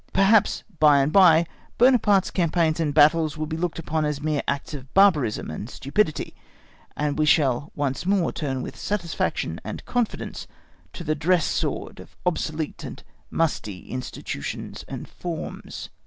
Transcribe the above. Perhaps, by and by, Buonaparte's campaigns and battles will be looked upon as mere acts of barbarism and stupidity, and we shall once more turn with satisfaction and confidence to the dress sword of obsolete and musty institutions and forms.